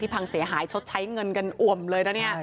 พังเสียหายชดใช้เงินกันอ่วมเลยนะเนี่ย